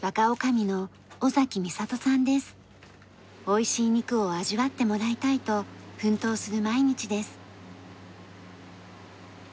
おいしい肉を味わってもらいたいと奮闘する毎日です。